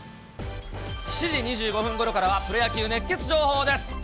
７時２５分ごろからは、プロ野球熱ケツ情報です。